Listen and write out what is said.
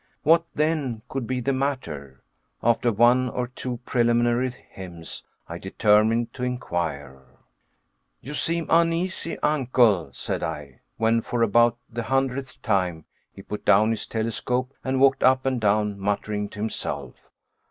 What, then, could be the matter? After one or two preliminary hems, I determined to inquire. "You seem uneasy, Uncle," said I, when for about the hundredth time he put down his telescope and walked up and down, muttering to himself.